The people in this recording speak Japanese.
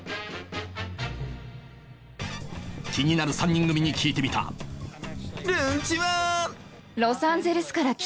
気になる３人組に聞いてみたるんちは！